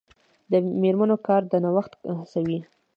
د میرمنو کار د نوښت هڅوي.